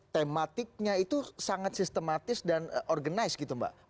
tematiknya itu sangat sistematis dan organized gitu mbak